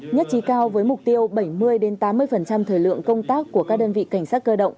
nhất trí cao với mục tiêu bảy mươi tám mươi thời lượng công tác của các đơn vị cảnh sát cơ động